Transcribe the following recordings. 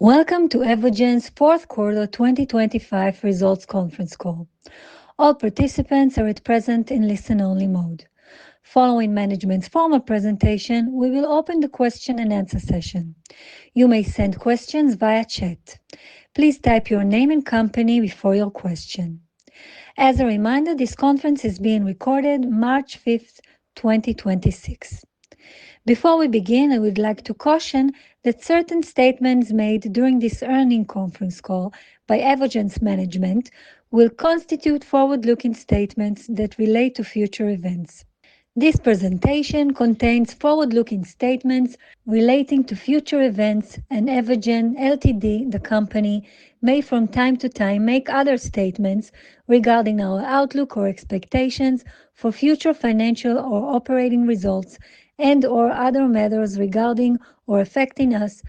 Welcome to Evogene's Q4 2025 results conference call. All participants are at present in listen-only mode. Following management's formal presentation, we will open the question-and-answer session. You may send questions via chat. Please type your name and company before your question. As a reminder, this conference is being recorded March 5, 2026. Before we begin, I would like to caution that certain statements made during this earning conference call by Evogene's management will constitute forward-looking statements that relate to future events. This presentation contains forward-looking statements relating to future events, Evogene Ltd., the company, may from time to time make other statements regarding our outlook or expectations for future financial or operating results and/or other matters regarding or affecting us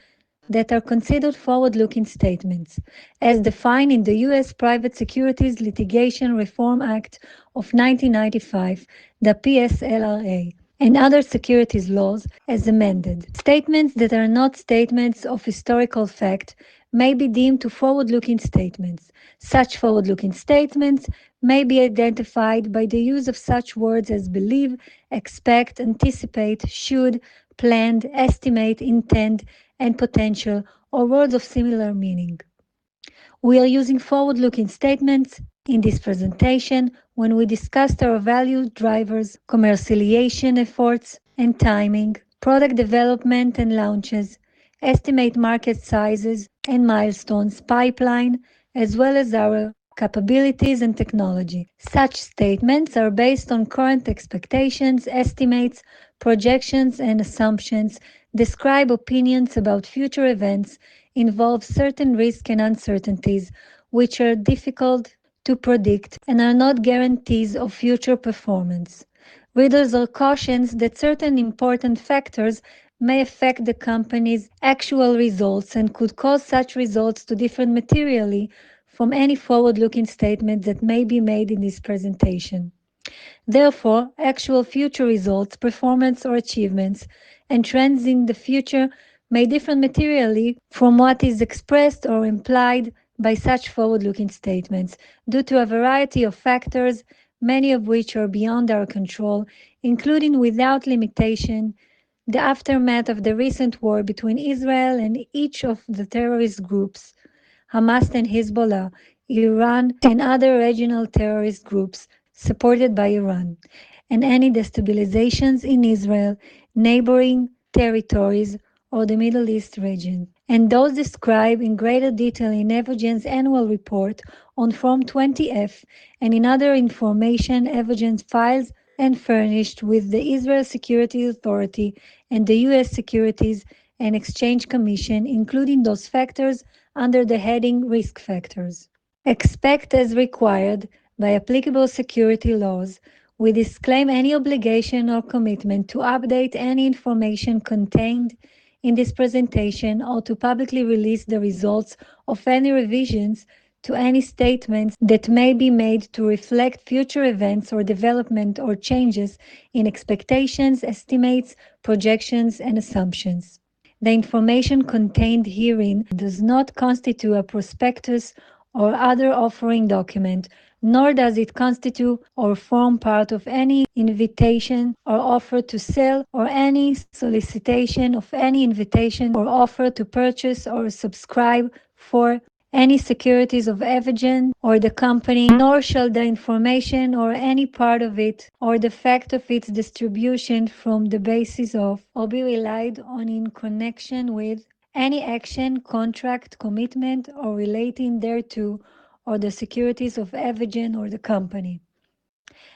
that are considered forward-looking statements as defined in the US Private Securities Litigation Reform Act of 1995, the PSLRA, and other securities laws as amended. Statements that are not statements of historical fact may be deemed to forward-looking statements. Such forward-looking statements may be identified by the use of such words as believe, expect, anticipate, should, planned, estimate, intend, and potential, or words of similar meaning. We are using forward-looking statements in this presentation when we discussed our value drivers, commercialization efforts and timing, product development and launches, estimate market sizes and milestones, pipeline, as well as our capabilities and technology. Such statements are based on current expectations, estimates, projections, and assumptions, describe opinions about future events, involve certain risks and uncertainties, which are difficult to predict and are not guarantees of future performance. Readers are cautioned that certain important factors may affect the company's actual results and could cause such results to differ materially from any forward-looking statement that may be made in this presentation. Therefore, actual future results, performance or achievements and trends in the future may differ materially from what is expressed or implied by such forward-looking statements due to a variety of factors, many of which are beyond our control, including without limitation, the aftermath of the recent war between Israel and each of the terrorist groups, Hamas and Hezbollah, Iran and other regional terrorist groups supported by Iran, and any destabilizations in Israel, neighboring territories, or the Middle East region, and those described in greater detail in Evogene's annual report on Form 20-F and in other information Evogene's files and furnished with the Israel Securities Authority and the US Securities and Exchange Commission, including those factors under the heading Risk Factors. Expect, as required by applicable security laws, we disclaim any obligation or commitment to update any information contained in this presentation or to publicly release the results of any revisions to any statements that may be made to reflect future events or development or changes in expectations, estimates, projections, and assumptions. The information contained herein does not constitute a prospectus or other offering document, nor does it constitute or form part of any invitation or offer to sell, or any solicitation of any invitation or offer to purchase or subscribe for any securities of Evogene or the company. Nor shall the information or any part of it, or the fact of its distribution, form the basis of, or be relied on in connection with, any action, contract, commitment, or relating thereto, or the securities of Evogene or the company.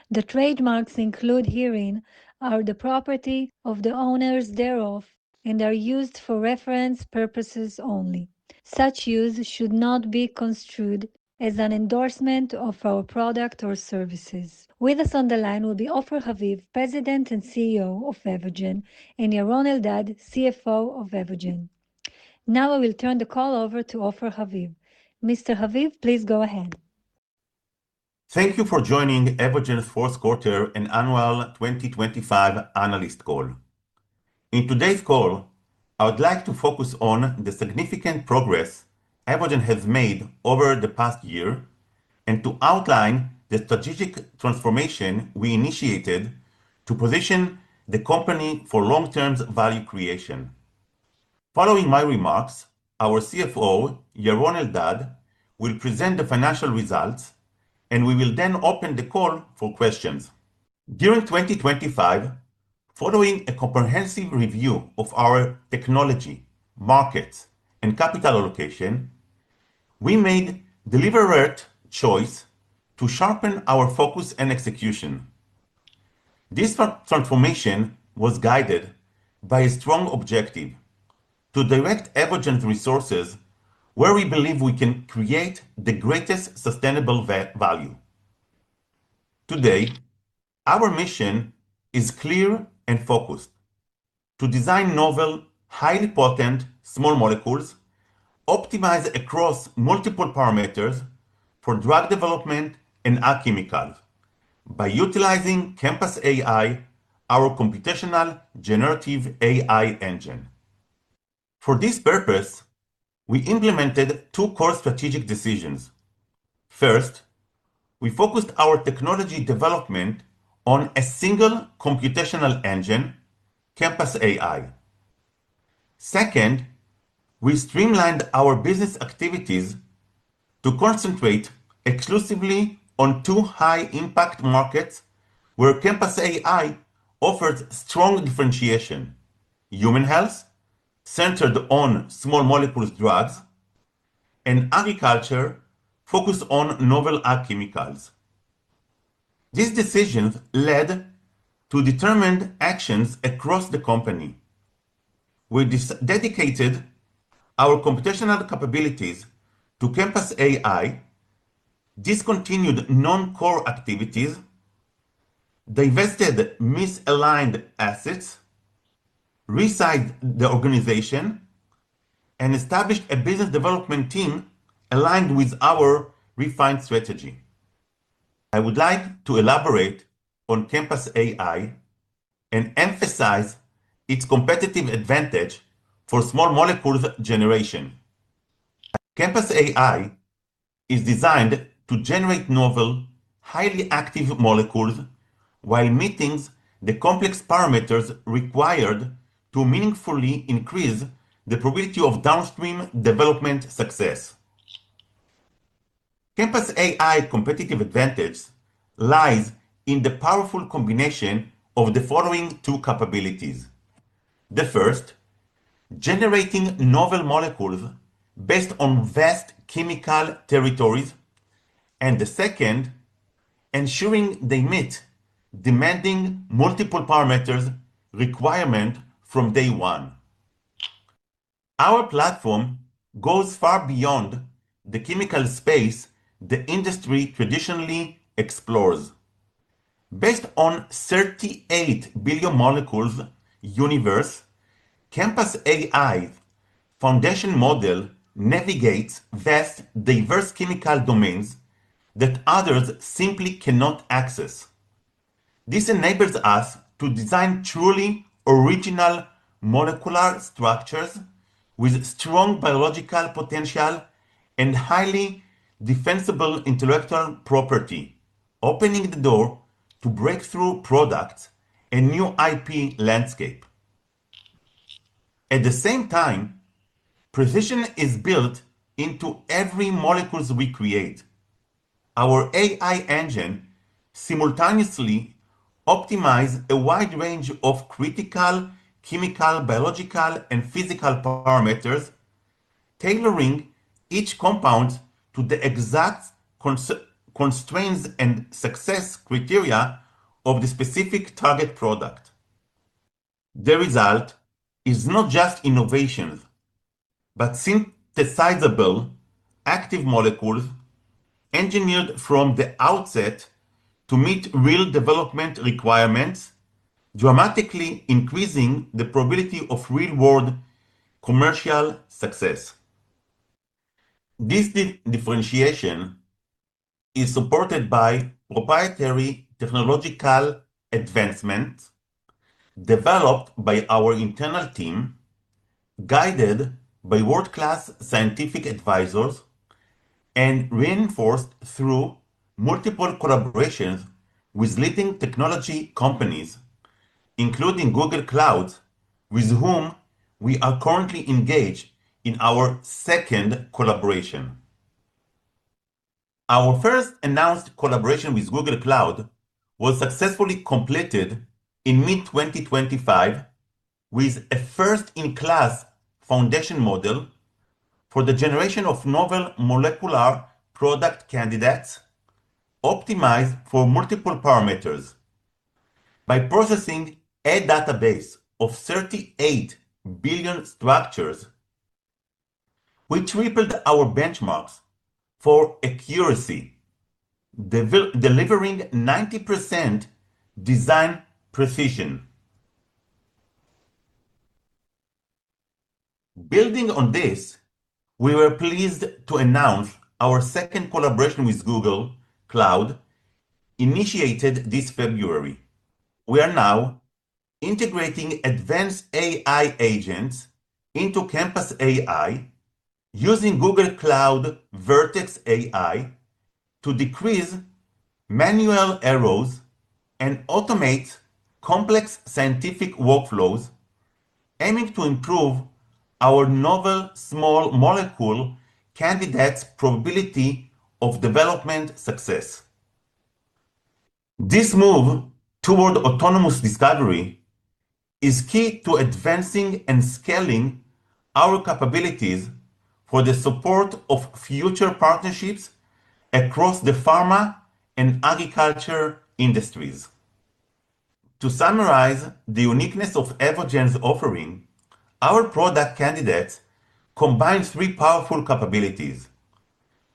The trademarks include herein are the property of the owners thereof and are used for reference purposes only. Such use should not be construed as an endorsement of our product or services. With us on the line will be Ofer Haviv, President and CEO of Evogene, and Yaron Eldad, CFO of Evogene. Now I will turn the call over to Ofer Haviv. Mr. Haviv, please go ahead. Thank you for joining Evogene's Q4 and annual 2025 analyst call. In today's call, I would like to focus on the significant progress Evogene has made over the past year and to outline the strategic transformation we initiated to position the company for long-term value creation. Following my remarks, our CFO, Yaron Eldad, will present the financial results. We will then open the call for questions. During 2025, following a comprehensive review of our technology, markets, and capital allocation, we made deliberate choice to sharpen our focus and execution. This transformation was guided by a strong objective to direct Evogene's resources where we believe we can create the greatest sustainable value. Today, our mission is clear and focused: to design novel, highly potent small molecules optimized across multiple parameters for drug development and our chemicals. By utilizing ChemPass AI, our computational generative AI engine. For this purpose, we implemented two core strategic decisions. First, we focused our technology development on a single computational engine, ChemPass AI. Second, we streamlined our business activities to concentrate exclusively on two high-impact markets where ChemPass AI offers strong differentiation. Human health, centered on small molecules drugs, and agriculture, focused on novel ag chemicals. These decisions led to determined actions across the company. We dedicated our computational capabilities to ChemPass AI, discontinued non-core activities, divested misaligned assets, resized the organization, and established a business development team aligned with our refined strategy. I would like to elaborate on ChemPass AI and emphasize its competitive advantage for small molecules generation. ChemPass AI is designed to generate novel, highly active molecules while meeting the complex parameters required to meaningfully increase the probability of downstream development success. ChemPass AI competitive advantage lies in the powerful combination of the following two capabilities. The first, generating novel molecules based on vast chemical territories, the second, ensuring they meet demanding multiple parameters requirement from day one. Our platform goes far beyond the chemical space the industry traditionally explores. Based on 38 billion molecules universe, ChemPass AI foundation model navigates vast, diverse chemical domains that others simply cannot access. This enables us to design truly original molecular structures with strong biological potential and highly defensible intellectual property, opening the door to breakthrough products and new IP landscape. At the same time, precision is built into every molecules we create. Our AI engine simultaneously optimize a wide range of critical chemical, biological, and physical parameters, tailoring each compound to the exact constraints and success criteria of the specific target product. The result is not just innovations, but synthesizable active molecules engineered from the outset to meet real development requirements, dramatically increasing the probability of real-world commercial success. This differentiation is supported by proprietary technological advancement developed by our internal team, guided by world-class scientific advisors, and reinforced through multiple collaborations with leading technology companies, including Google Cloud, with whom we are currently engaged in our second collaboration. Our first announced collaboration with Google Cloud was successfully completed in mid-2025 with a first-in-class foundation model for the generation of novel molecular product candidates optimized for multiple parameters. By processing a database of 38 billion structures, we tripled our benchmarks for accuracy, delivering 90% design precision. Building on this, we were pleased to announce our second collaboration with Google Cloud initiated this February. We are now integrating advanced AI agents into ChemPass AI using Google Cloud Vertex AI to decrease manual errors and automate complex scientific workflows, aiming to improve our novel small molecule candidates probability of development success. This move toward autonomous discovery is key to advancing and scaling our capabilities for the support of future partnerships across the pharma and agriculture industries. To summarize the uniqueness of Evogene's offering, our product candidates combine three powerful capabilities.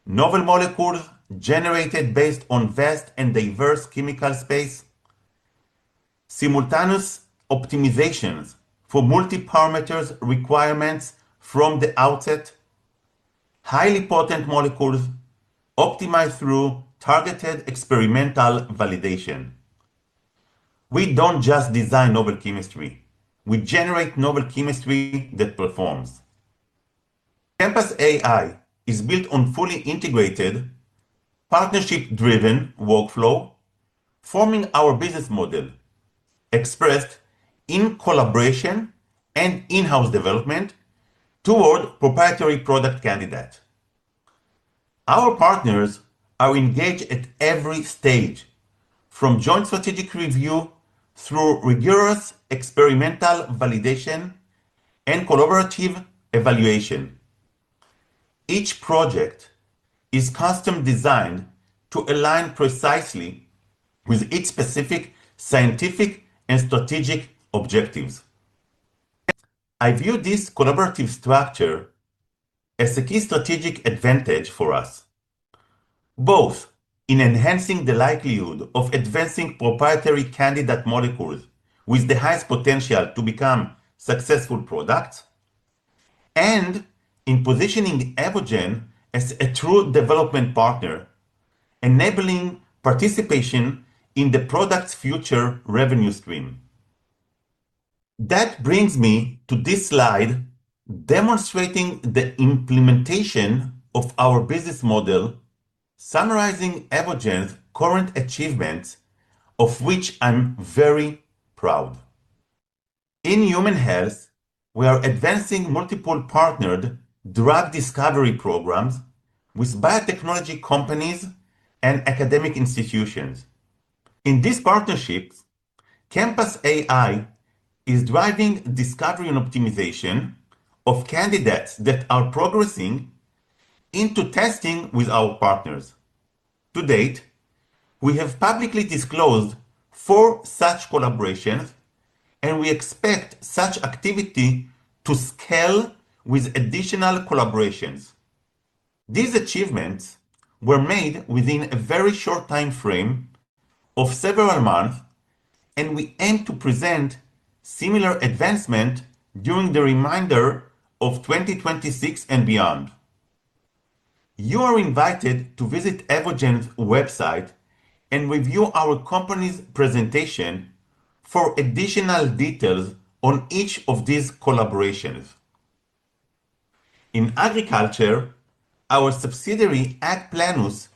Novel molecules generated based on vast and diverse chemical space, Simultaneous optimizations for multi-parameters requirements from the outset, highly potent molecules optimized through targeted experimental validation. We don't just design novel chemistry, we generate novel chemistry that performs. ChemPass AI is built on fully integrated, partnership-driven workflow, forming our business model, expressed in collaboration and in-house development toward proprietary product candidate. Our partners are engaged at every stage, from joint strategic review through rigorous experimental validation and collaborative evaluation. Each project is custom-designed to align precisely with its specific scientific and strategic objectives. I view this collaborative structure as a key strategic advantage for us, both in enhancing the likelihood of advancing proprietary candidate molecules with the highest potential to become successful products, and in positioning Evogene as a true development partner, enabling participation in the product's future revenue stream. This brings me to this slide demonstrating the implementation of our business model, summarizing Evogene's current achievements, of which I'm very proud. In human health, we are advancing multiple partnered drug discovery programs with biotechnology companies and academic institutions. In these partnerships, ChemPass AI is driving discovery and optimization of candidates that are progressing into testing with our partners. To date, we have publicly disclosed four such collaborations. We expect such activity to scale with additional collaborations. These achievements were made within a very short timeframe of several months. We aim to present similar advancement during the remainder of 2026 and beyond. You are invited to visit Evogene's website and review our company's presentation for additional details on each of these collaborations. In agriculture, our subsidiary, AgPlenus,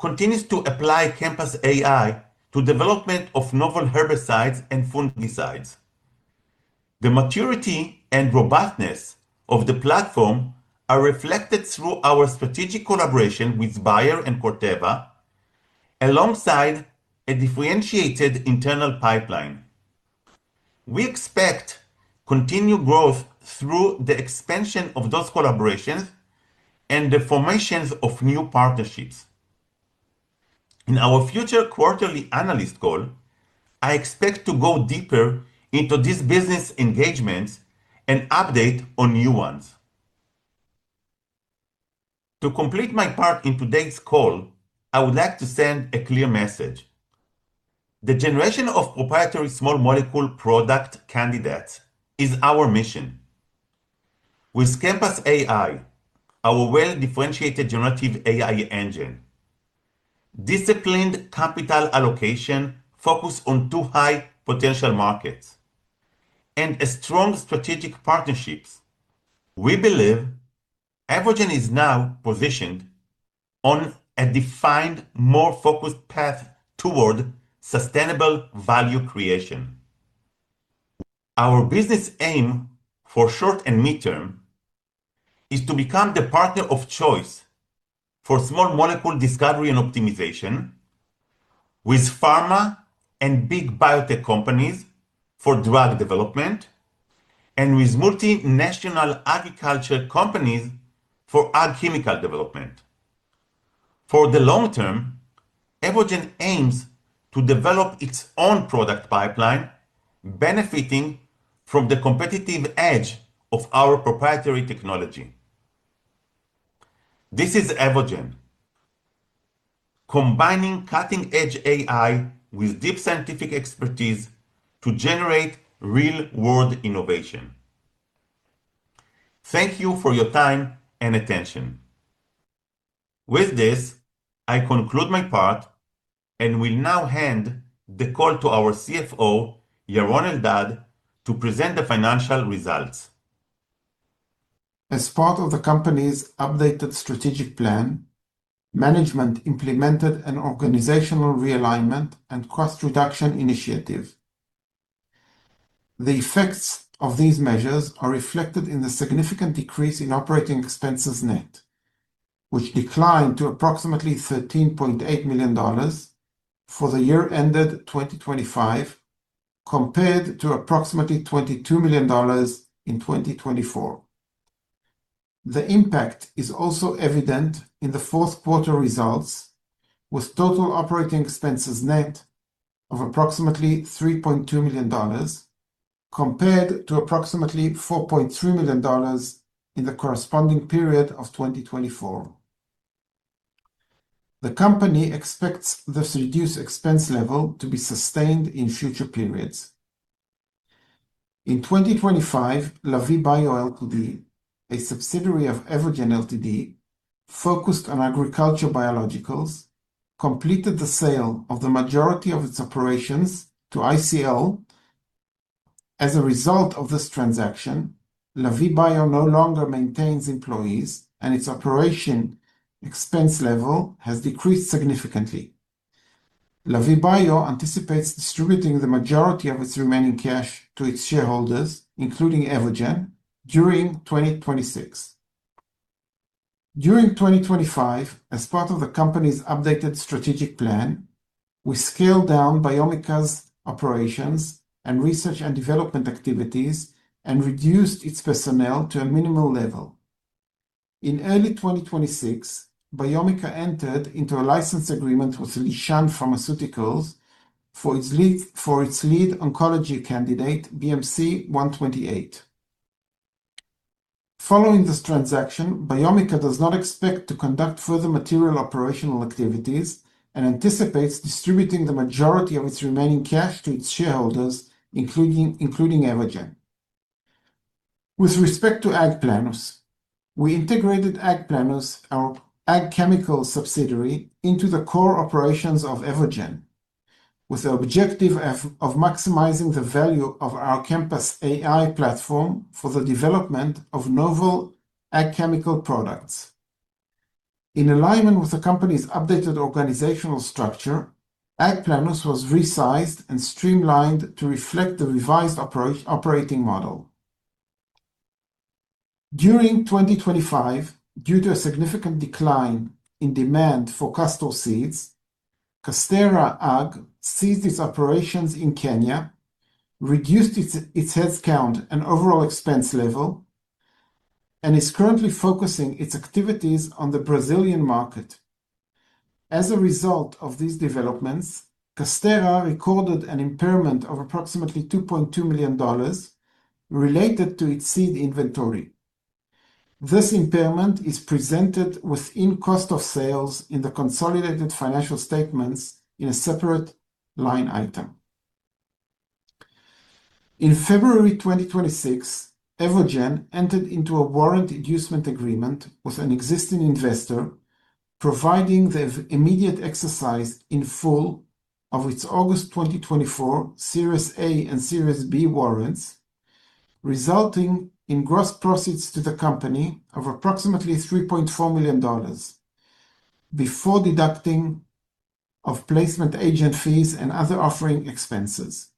continues to apply ChemPass AI to development of novel herbicides and fungicides. The maturity and robustness of the platform are reflected through our strategic collaboration with Bayer and Corteva, alongside a differentiated internal pipeline. We expect continued growth through the expansion of those collaborations and the formations of new partnerships. In our future quarterly analyst call, I expect to go deeper into these business engagements and update on new ones. To complete my part in today's call, I would like to send a clear message. The generation of proprietary small molecule product candidates is our mission. With ChemPass AI, our well-differentiated generative AI engine, disciplined capital allocation focused on two high-potential markets, and strong strategic partnerships, we believe Evogene is now positioned on a defined, more focused path toward sustainable value creation. Our business aim for short and mid-term is to become the partner of choice for small molecule discovery and optimization with pharma and big biotech companies for drug development, and with multinational agriculture companies for ag chemical development. For the long term, Evogene aims to develop its own product pipeline, benefiting from the competitive edge of our proprietary technology. This is Evogene, combining cutting-edge AI with deep scientific expertise to generate real-world innovation. Thank you for your time and attention. With this, I conclude my part and will now hand the call to our CFO, Yaron Eldad, to present the financial results. As part of the company's updated strategic plan, management implemented an organizational realignment and cost reduction initiative. The effects of these measures are reflected in the significant decrease in operating expenses net, which declined to approximately $13.8 million for the year ended 2025, compared to approximately $22 million in 2024. The impact is also evident in the Q4 results, with total operating expenses net of approximately $3.2 million, compared to approximately $4.3 million in the corresponding period of 2024. The company expects this reduced expense level to be sustained in future periods. In 2025, Lavie Bio Ltd., a subsidiary of Evogene Ltd., focused on agriculture biologicals, completed the sale of the majority of its operations to ICL. As a result of this transaction, Lavie Bio no longer maintains employees, and its operation expense level has decreased significantly. Lavie Bio anticipates distributing the majority of its remaining cash to its shareholders, including Evogene, during 2026. During 2025, as part of the company's updated strategic plan, we scaled down Biomica's operations and research and development activities and reduced its personnel to a minimal level. In early 2026, Biomica entered into a license agreement with Lishan Pharmaceuticals for its lead oncology candidate, BMC128. Following this transaction, Biomica does not expect to conduct further material operational activities and anticipates distributing the majority of its remaining cash to its shareholders, including Evogene. With respect to AgPlenus, we integrated AgPlenus, our ag chemical subsidiary, into the core operations of Evogene, with the objective of maximizing the value of our ChemPass AI platform for the development of novel ag chemical products. In alignment with the company's updated organizational structure, AgPlenus was resized and streamlined to reflect the revised approach operating model. During 2025, due to a significant decline in demand for castor seeds, Casterra Ag ceased its operations in Kenya, reduced its headcount and overall expense level, and is currently focusing its activities on the Brazilian market. As a result of these developments, Casterra recorded an impairment of approximately $2.2 million related to its seed inventory. This impairment is presented within cost of sales in the consolidated financial statements in a separate line item. In February 2026, Evogene entered into a warrant inducement agreement with an existing investor, providing the immediate exercise in full of its August 2024 Series A and Series B warrants, resulting in gross proceeds to the company of approximately $3.4 million before deducting of placement agent fees and other offering expenses.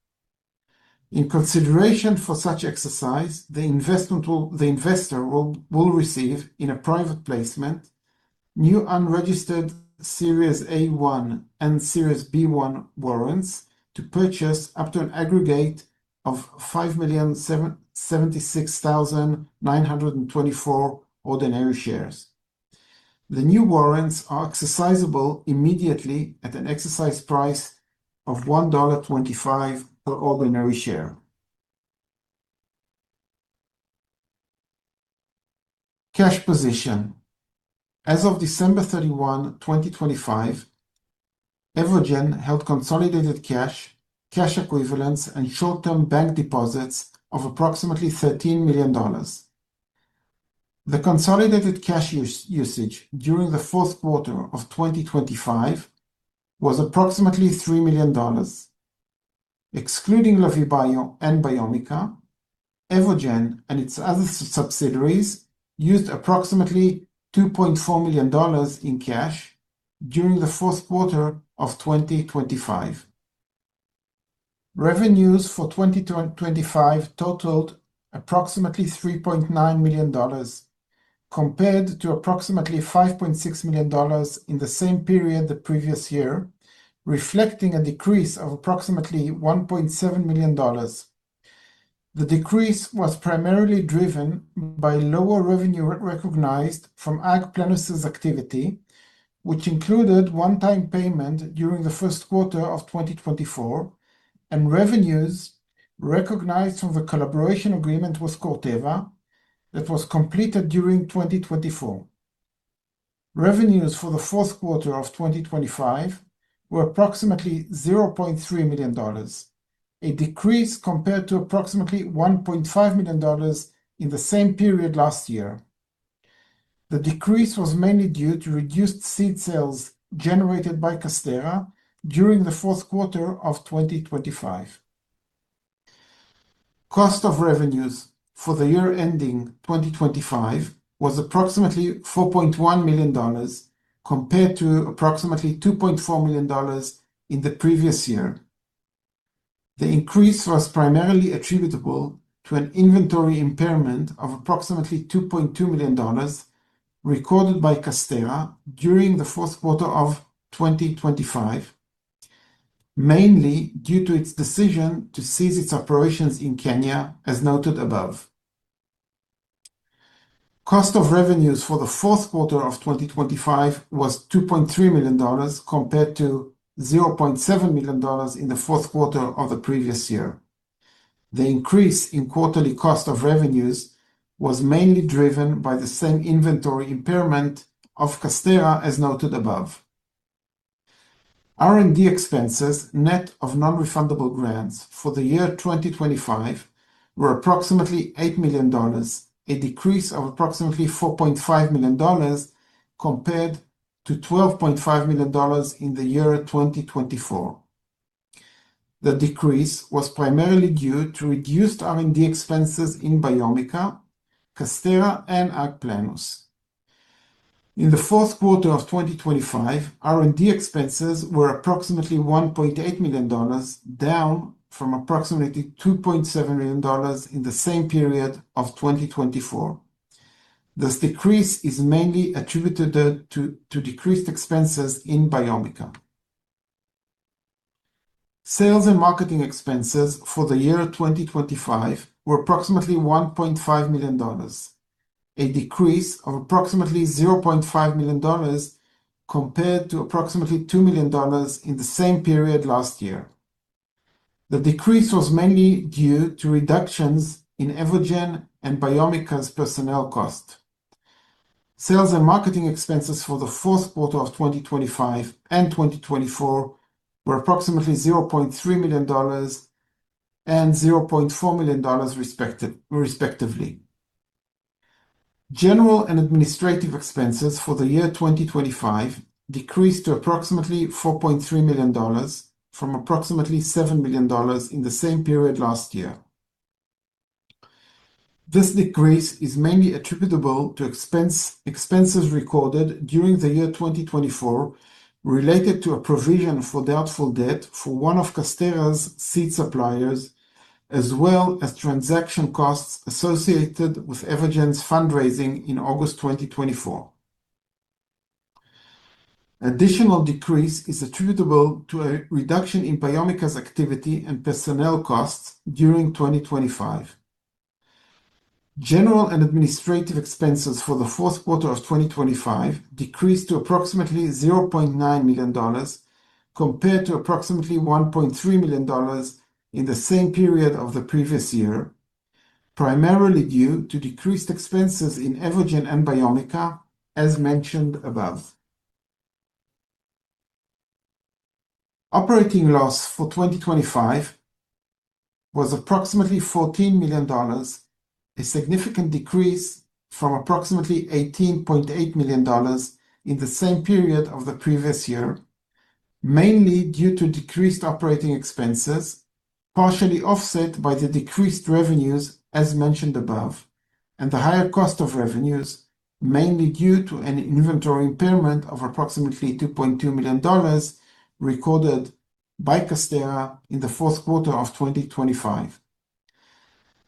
In consideration for such exercise, the investor will receive in a private placement, new unregistered Series A-1 and Series B-1 warrants to purchase up to an aggregate of 5,076,924 ordinary shares. The new warrants are exercisable immediately at an exercise price of $1.25 per ordinary share. Cash position. As of December 31, 2025, Evogene held consolidated cash equivalents, and short-term bank deposits of approximately $13 million. The consolidated cash usage during the Q4 of 2025 was approximately $3 million. Excluding Lavie Bio and Biomica, Evogene and its other subsidiaries used approximately $2.4 million in cash during the Q4 of 2025. Revenues for 2025 totaled approximately $3.9 million compared to approximately $5.6 million in the same period the previous year, reflecting a decrease of approximately $1.7 million. The decrease was primarily driven by lower revenue re-recognized from AgPlenus' activity, which included one-time payment during the first quarter of 2024, and revenues recognized from the collaboration agreement with Corteva that was completed during 2024. Revenues for the Q4 of 2025 were approximately $0.3 million, a decrease compared to approximately $1.5 million in the same period last year. The decrease was mainly due to reduced seed sales generated by Casterra during the Q4 of 2025. Cost of revenues for the year ending 2025 was approximately $4.1 million compared to approximately $2.4 million in the previous year. The increase was primarily attributable to an inventory impairment of approximately $2.2 million recorded by Casterra during the Q4 of 2025, mainly due to its decision to cease its operations in Kenya, as noted above. Cost of revenues for the Q4 of 2025 was $2.3 million compared to $0.7 million in the Q4 of the previous year. The increase in quarterly cost of revenues was mainly driven by the same inventory impairment of Casterra as noted above. R&D expenses, net of non-refundable grants for the year 2025 were approximately $8 million, a decrease of approximately $4.5 million compared to $12.5 million in the year 2024. The decrease was primarily due to reduced R&D expenses in Biomica, Casterra and AgPlenus. In the Q4 of 2025, R&D expenses were approximately $1.8 million, down from approximately $2.7 million in the same period of 2024. This decrease is mainly attributed to decreased expenses in Biomica. Sales and marketing expenses for the year 2025 were approximately $1.5 million, a decrease of approximately $0.5 million compared to approximately $2 million in the same period last year. The decrease was mainly due to reductions in Evogene and Biomica's personnel cost. Sales and marketing expenses for the Q4 of 2025 and 2024 were approximately $0.3 million and $0.4 million respectively. General and administrative expenses for the year 2025 decreased to approximately $4.3 million from approximately $7 million in the same period last year. This decrease is mainly attributable to expenses recorded during the year 2024, related to a provision for doubtful debt for one of Casterra's seed suppliers, as well as transaction costs associated with Evogene's fundraising in August 2024. Additional decrease is attributable to a reduction in Biomica's activity and personnel costs during 2025. General and administrative expenses for the Q4 of 2025 decreased to approximately $0.9 million compared to approximately $1.3 million in the same period of the previous year, primarily due to decreased expenses in Evogene and Biomica, as mentioned above. Operating loss for 2025 was approximately $14 million, a significant decrease from approximately $18.8 million in the same period of the previous year, mainly due to decreased operating expenses, partially offset by the decreased revenues as mentioned above, and the higher cost of revenues, mainly due to an inventory impairment of approximately $2.2 million recorded by Casterra in the Q4 of 2025.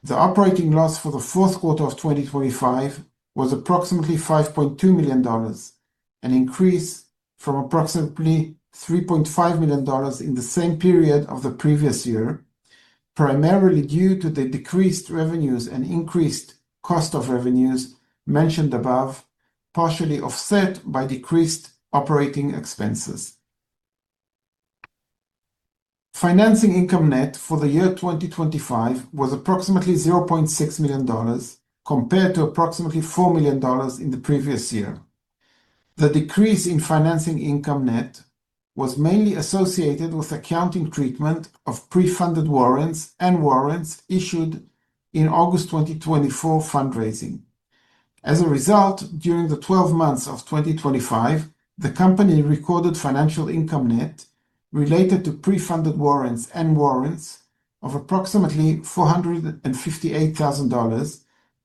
The operating loss for the Q4 of 2025 was approximately $5.2 million, an increase from approximately $3.5 million in the same period of the previous year, primarily due to the decreased revenues and increased cost of revenues mentioned above, partially offset by decreased operating expenses. Financing income net for the year 2025 was approximately $0.6 million compared to approximately $4 million in the previous year. The decrease in financing income net was mainly associated with accounting treatment of pre-funded warrants and warrants issued in August 2024 fundraising. As a result, during the 12 months of 2025, the company recorded financial income net related to pre-funded warrants and warrants of approximately $458,000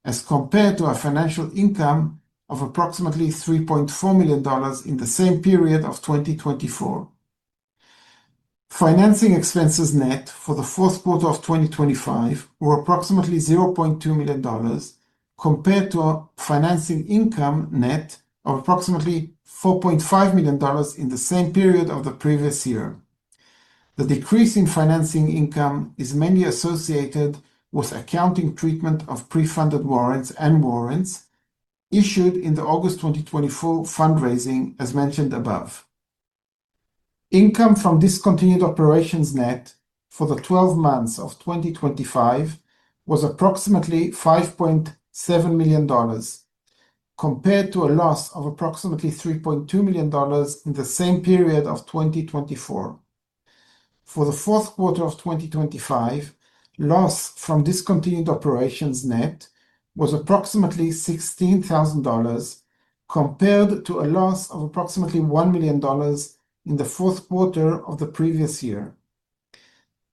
as compared to a financial income of approximately $3.4 million in the same period of 2024. Financing expenses net for the Q4 of 2025 were approximately $0.2 million compared to a financing income net of approximately $4.5 million in the same period of the previous year. The decrease in financing income is mainly associated with accounting treatment of pre-funded warrants and warrants issued in the August 2024 fundraising, as mentioned above. Income from discontinued operations net for the 12 months of 2025 was approximately $5.7 million compared to a loss of approximately $3.2 million in the same period of 2024. For the Q4 of 2025, loss from discontinued operations net was approximately $16,000 compared to a loss of approximately $1 million in the Q4 of the previous year.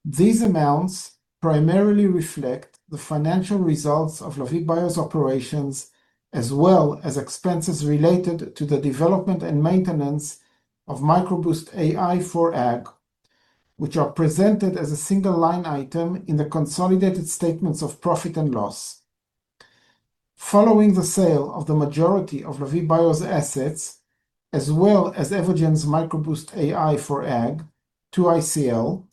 These amounts primarily reflect the financial results of Lavie Bio's operations, as well as expenses related to the development and maintenance of MicroBoost AI for AG, which are presented as a single line item in the consolidated statements of profit and loss. Following the sale of the majority of Lavie Bio's assets, as well as Evogene's MicroBoost AI for AG to ICL,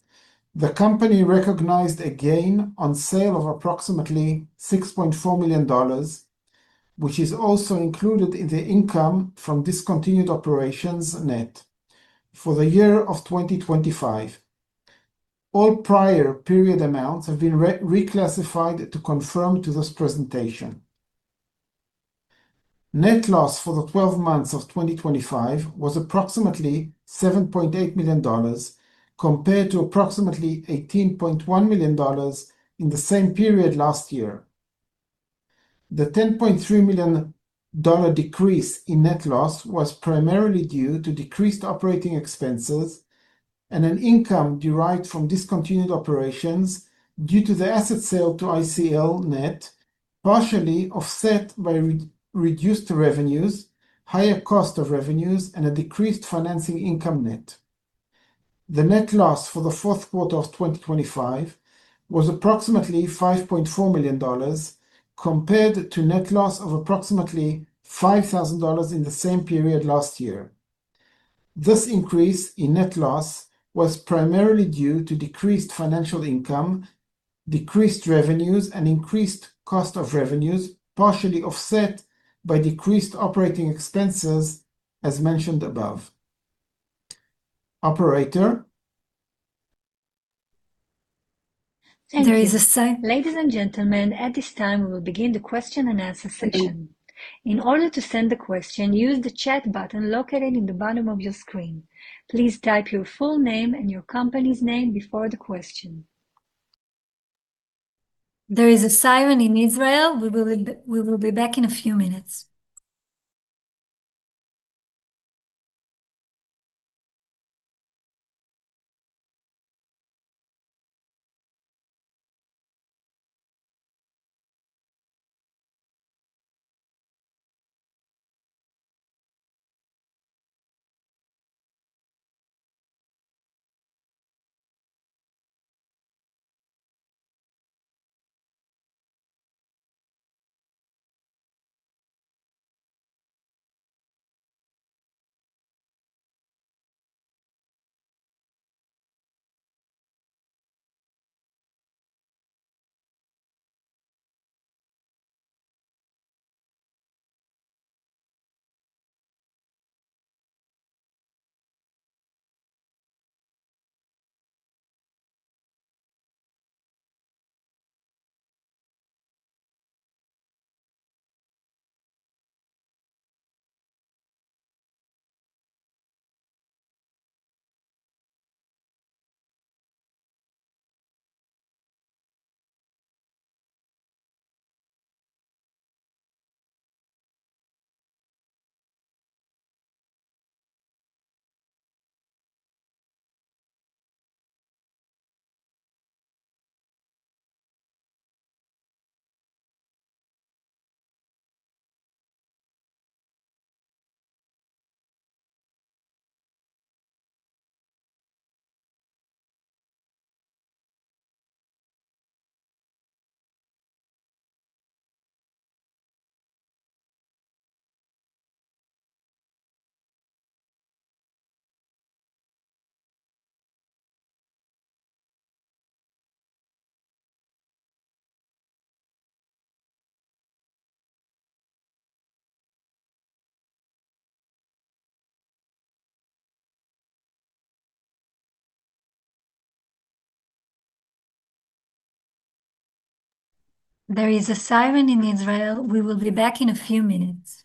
the company recognized a gain on sale of approximately $6.4 million, which is also included in the income from discontinued operations net for the year of 2025. All prior period amounts have been reclassified to conform to this presentation. Net loss for the 12 months of 2025 was approximately $7.8 million compared to approximately $18.1 million in the same period last year. The $10.3 million decrease in net loss was primarily due to decreased operating expenses and an income derived from discontinued operations due to the asset sale to ICL net, partially offset by reduced revenues, higher cost of revenues, and a decreased financing income net. The net loss for the Q4 of 2025 was approximately $5.4 million compared to net loss of approximately $5,000 in the same period last year. This increase in net loss was primarily due to decreased financial income, decreased revenues, and increased cost of revenues, partially offset by decreased operating expenses, as mentioned above. Operator. Thank you. Ladies and gentlemen, at this time, we will begin the question and answer session. In order to send a question, use the chat button located in the bottom of your screen. Please type your full name and your company's name before the question. There is a siren in Israel. We will be back in a few minutes. There is a siren in Israel. We will be back in a few minutes.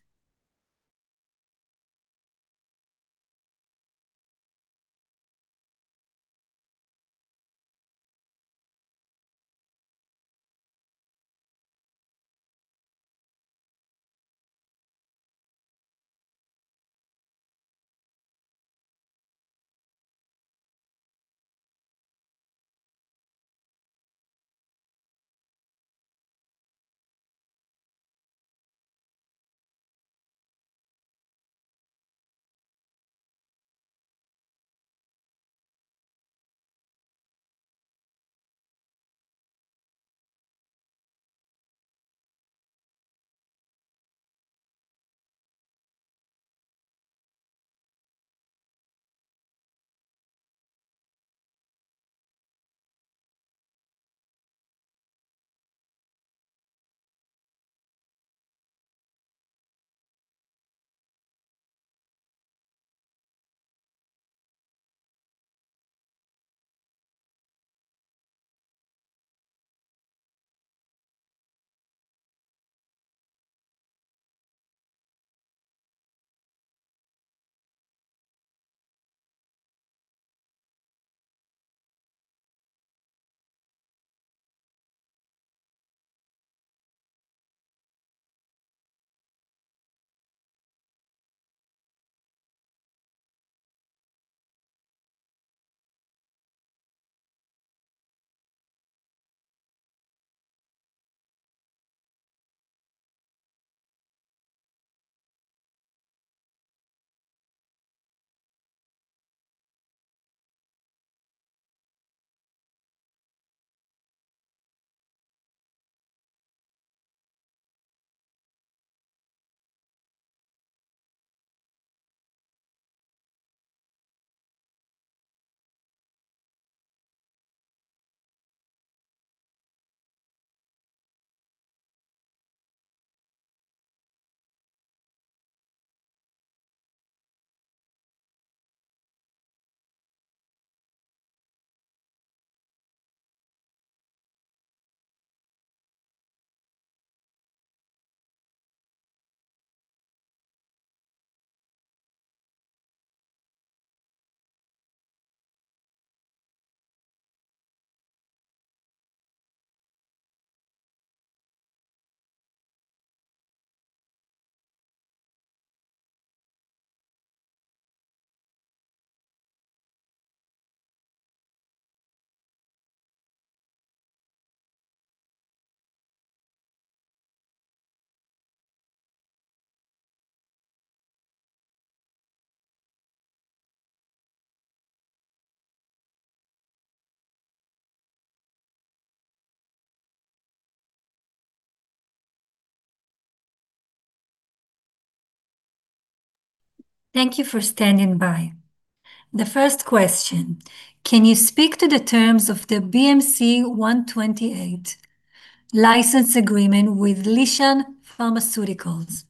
Thank you for standing by. The first question, can you speak to the terms of the BMC128 license agreement with Lishan Pharmaceuticals?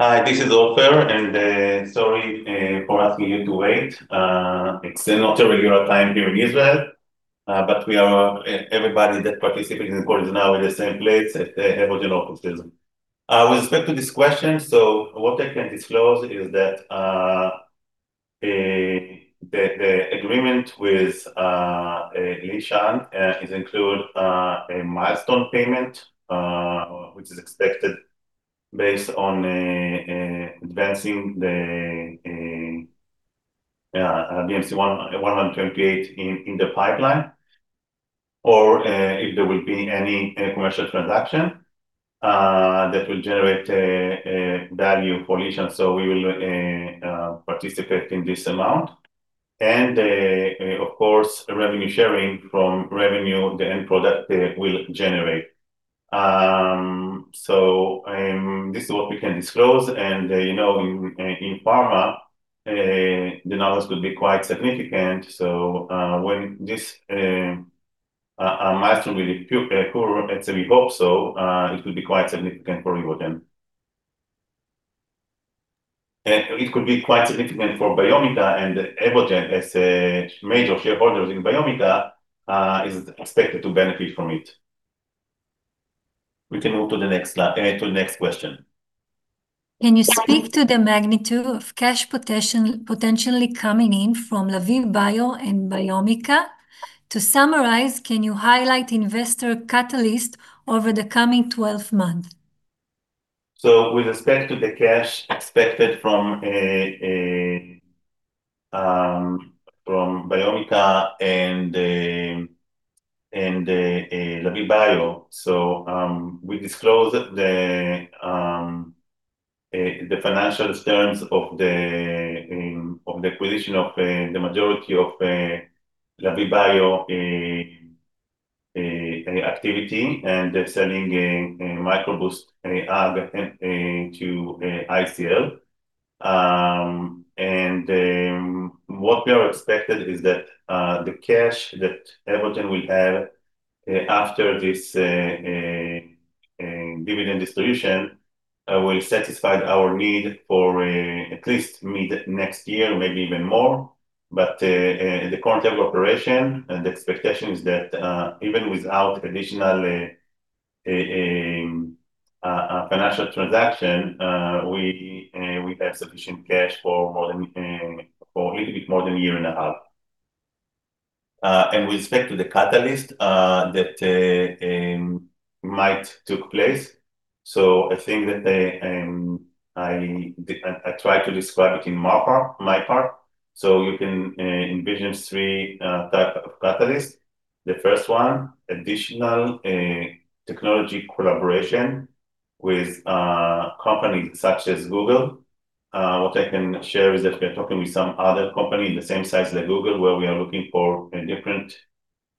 Hi, this is Ofer, and sorry for asking you to wait. It's not a regular time here in Israel, but everybody that participate in the call is now in the same place at Evogene offices. With respect to this question, what I can disclose is that the agreement with Lishan is include a milestone payment, which is expected based on advancing the BMC128 in the pipeline or if there will be any commercial transaction that will generate a value for Lishan. We will participate in this amount and of course, a revenue sharing from revenue the end product will generate. This is what we can disclose and, you know, in, in pharma, the numbers could be quite significant. When this milestone will occur, at least we hope so, it will be quite significant for Evogene. It could be quite significant for Biomica and Evogene as a major shareholder in Biomica, is expected to benefit from it. We can move to the next slide to the next question. Can you speak to the magnitude of cash potentially coming in from Lavie Bio and Biomica? To summarize, can you highlight investor catalyst over the coming 12 month? With respect to the cash expected from Biomica and Lavie Bio. We disclosed the financial terms of the acquisition of the majority of Lavie Bio activity and selling MicroBoost to ICL. What we are expected is that the cash that Evogene will have after this dividend distribution will satisfy our need for at least mid next year, maybe even more. In the current term operation, and the expectation is that even without additional financial transaction, we have sufficient cash for a little bit more than a year and a half. And with respect to the catalyst that might took place. I think that I tried to describe it in my part. You can envision three type of catalyst. The first one, additional technology collaboration with companies such as Google. What I can share is that we are talking with some other company in the same size like Google, where we are looking for a different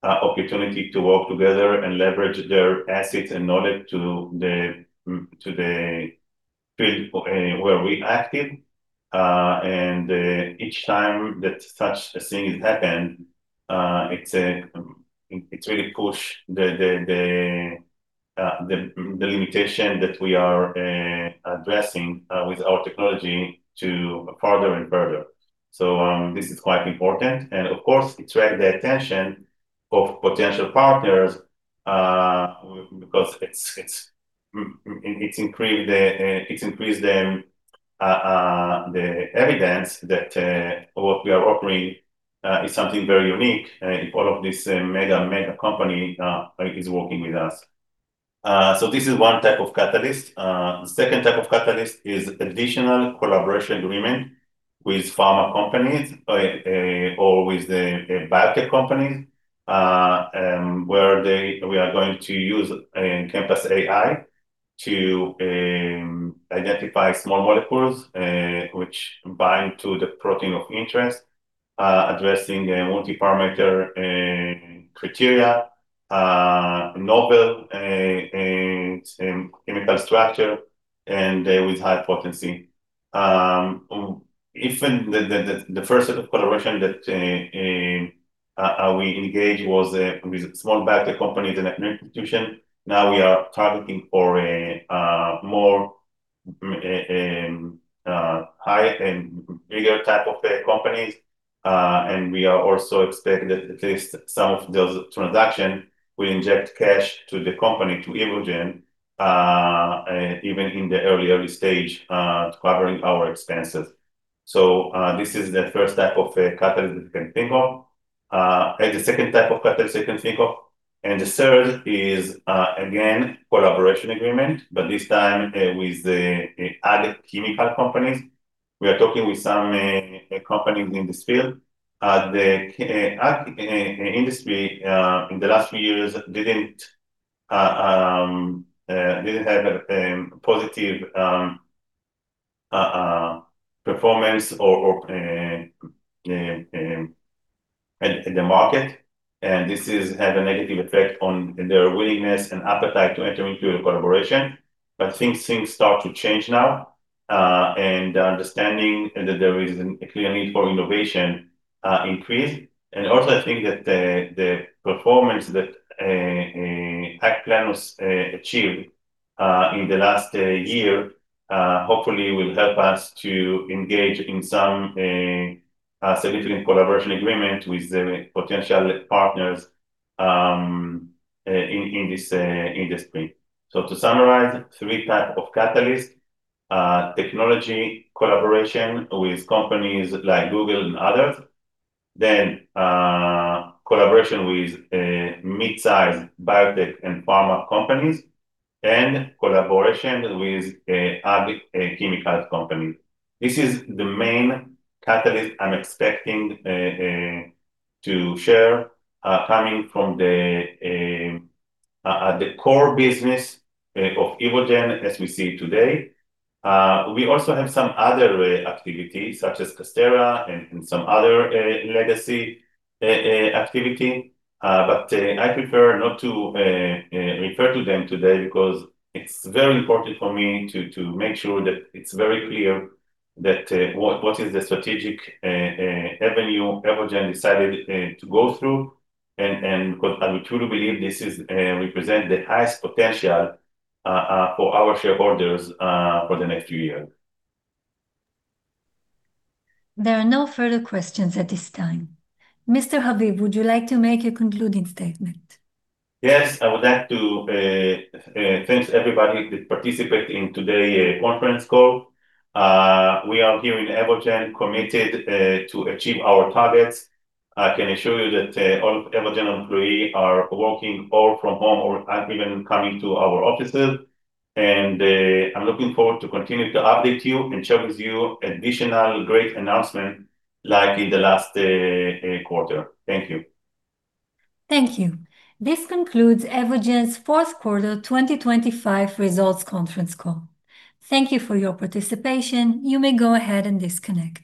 opportunity to work together and leverage their assets and knowledge to the field where we active. And each time that such a thing has happened, it's really push the limitation that we are addressing with our technology to further and further. This is quite important. Of course, it attract the attention of potential partners, because it's increased the evidence that what we are offering is something very unique, if all of this mega company is working with us. So this is one type of catalyst. The second type of catalyst is additional collaboration agreement with pharma companies or or with the biotech companies, we are going to use ChemPass AI to identify small molecules, which bind to the protein of interest, addressing a multi-parameter criteria, novel chemical structure and with high potency. If in the first set of collaboration that we engage was with small biotech company in an institution. Now we are targeting for a more high and bigger type of companies. We are also expecting that at least some of those transaction will inject cash to the company, to Evogene even in the early stage, covering our expenses. This is the first type of a catalyst we can think of. The second type of catalyst you can think of, and the third is again, collaboration agreement, but this time with the ag chemical companies. We are talking with some companies in this field. The ag and industry in the last few years didn't have a positive performance or in the market and this has had a negative effect on their willingness and appetite to enter into a collaboration. Things start to change now, and understanding that there is a clear need for innovation increase. Also I think that the performance that AgPlenus was achieved in the last year, hopefully will help us to engage in some significant collaboration agreement with the potential partners in this industry. To summarize, three type of catalyst: technology collaboration with companies like Google and others, then collaboration with midsize biotech and pharma companies, and collaboration with a ag chemical company. This is the main catalyst I'm expecting to share coming from the core business of Evogene as we see it today. We also have some other activity such as Casterra and some other legacy activity. I prefer not to refer to them today because it's very important for me to make sure that it's very clear that what is the strategic avenue Evogene decided to go through and 'cause I truly believe this is represent the highest potential for our shareholders for the next few years. There are no further questions at this time. Mr. Haviv, would you like to make a concluding statement? Yes. I would like to thank everybody that participate in today conference call. We are here in Evogene committed to achieve our targets. I can assure you that all Evogene employee are working or from home or even coming to our offices, and I'm looking forward to continue to update you and share with you additional great announcement like in the last quarter. Thank you. Thank you. This concludes Evogene's Q4 2025 results conference call. Thank you for your participation. You may go ahead and disconnect.